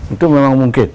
itu memang mungkin